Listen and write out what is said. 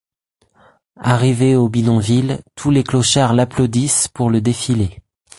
Arrivée au bidonville, tous les clochards l'applaudissent pour le défilé.